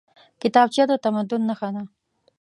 کتابچه د تمدن نښه ده